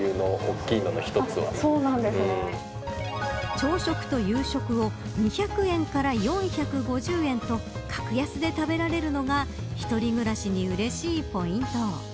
朝食と夕食を２００円から４５０円と格安で食べられるのが１人暮らしにうれしいポイント。